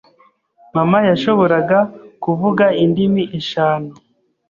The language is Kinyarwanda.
Mama yashoboraga kuvuga indimi eshanu.